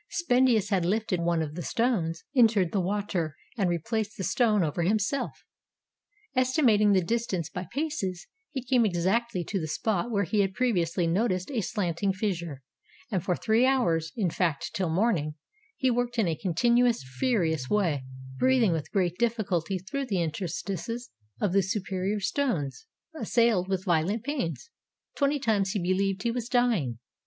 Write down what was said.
Spendius had lifted one of the stones, entered the water, and replaced the stone over himself. Estimating the distance by paces, he came exactly to the spot where he had previously noticed a slanting fissure, and for three hours — in fact, till morning — he worked in a continuous, furious way, breathing with great difficulty through the interstices of the superior stones; assailed with violent pains, twenty times he be heved he was dying.